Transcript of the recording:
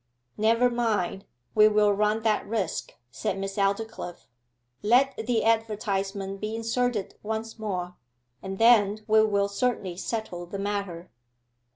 'Never mind, we will run that risk,' said Miss Aldclyffe. 'Let the advertisement be inserted once more, and then we will certainly settle the matter.